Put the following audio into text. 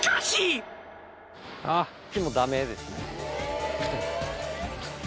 ・あっちもダメですね